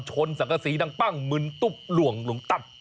ชนสังกะสีดังปั้งมึนตุ๊บล่วงลงตัด